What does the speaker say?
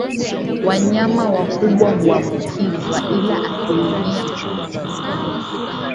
Wanyama wakubwa huambukizwa ila asilimia kumi hufa